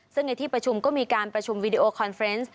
ซึ่งในที่ประชุมก็มีการประชุมวีดีโอคอนเฟรนซ์